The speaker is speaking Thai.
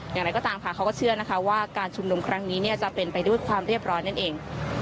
อย่างไรก็ตามค่ะเขาก็เชื่อนะคะว่าการชุมนุมครั้งนี้จะเป็นไปด้วยความเรียบร้อยนั่นเอง